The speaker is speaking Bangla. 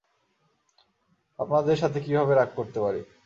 আপনাদের সাথে কিভাবে রাগ করতে পারি।